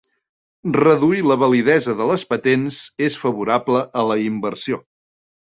Reduir la validesa de les patents és favorable a la inversió.